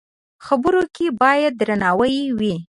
خبرو کې باید درناوی وي